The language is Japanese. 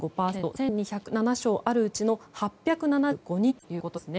１２０７床あるうちの８７５人ということですね。